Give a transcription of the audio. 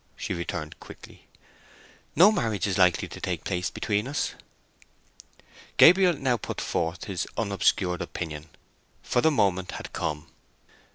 she returned quickly. "No marriage is likely to take place between us." Gabriel now put forth his unobscured opinion, for the moment had come.